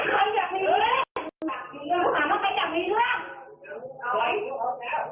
ใครก็มาเนี่ยเอาเราไปโกรธเขาไปนะครับ